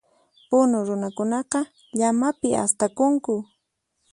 Puna runakunaqa, llamapi astakunku.